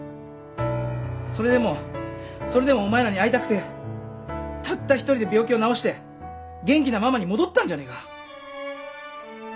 それでもそれでもお前らに会いたくてたった１人で病気を治して元気なママに戻ったんじゃねえか。